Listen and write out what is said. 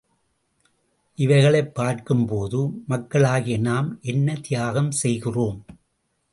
இவைகளைப் பார்க்கும்போது— மக்களாகிய நாம் என்ன தியாகம் செய்கிறோம்?